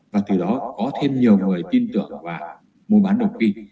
và từ đó có thêm nhiều người tin tưởng và mua bán đồng kỳ